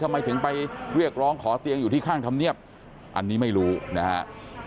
ทำไมถึงไปเรียกร้องขอเตียงอยู่ที่ข้างธรรมเนียบอันนี้ไม่รู้นะฮะ